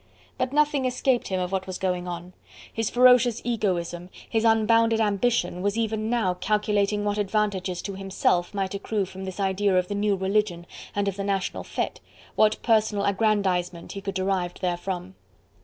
But nothing escaped him of what was going on. His ferocious egoism, his unbounded ambition was even now calculating what advantages to himself might accrue from this idea of the new religion and of the National fete, what personal aggrandisement he could derive therefrom.